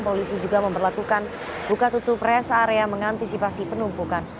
polisi juga memperlakukan buka tutup res area mengantisipasi penumpukan